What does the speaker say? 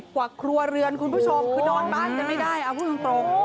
กว่าครัวเรือนคุณผู้ชมคือนอนบ้านกันไม่ได้เอาพูดตรง